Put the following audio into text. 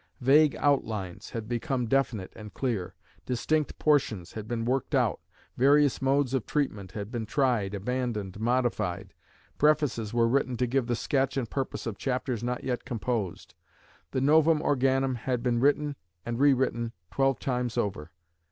Vague outlines had become definite and clear. Distinct portions had been worked out. Various modes of treatment had been tried, abandoned, modified. Prefaces were written to give the sketch and purpose of chapters not yet composed. The Novum Organum had been written and rewritten twelve times over.